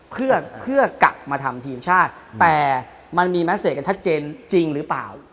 เพื่อกลับมาทำทีมชาติแต่มันมีแมสเซจกันชัดเจนจริงหรือเปล่า